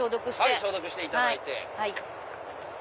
消毒していただいて。